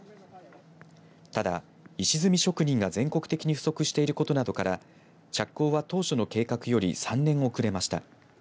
ただ、石積み職人が全国的に不足していることなどから着工は当初の計画より３年遅れました。